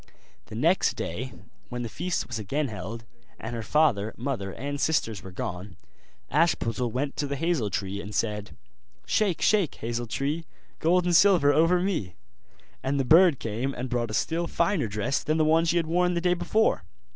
The next day when the feast was again held, and her father, mother, and sisters were gone, Ashputtel went to the hazel tree, and said: 'Shake, shake, hazel tree, Gold and silver over me!' And the bird came and brought a still finer dress than the one she had worn the day before.